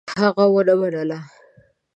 هغه ونه منله.